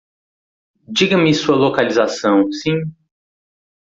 Diga-me sua localização, sim?